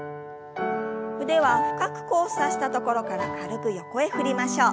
腕は深く交差したところから軽く横へ振りましょう。